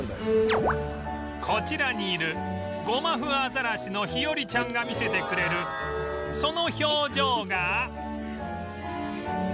こちらにいるゴマフアザラシの日和ちゃんが見せてくれるその表情が